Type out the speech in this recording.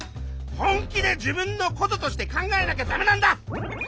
本気で自分のこととして考えなきゃダメなんだ！